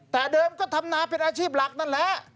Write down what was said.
แต่เดิมก็ทำนาเป็นอาชีพหลักนั่นแหละ